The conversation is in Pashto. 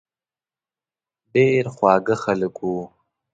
ډېر خواږه خلک وو.